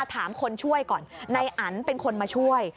ถามคนช่วยก่อนนายอันเป็นคนมาช่วย